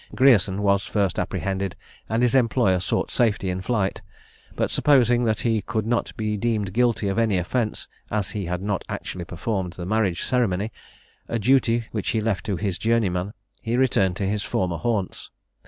Grierson was first apprehended, and his employer sought safety in flight; but supposing that he could not be deemed guilty of any offence, as he had not actually performed the marriage ceremony, a duty which he left to his journeyman, he returned to his former haunts.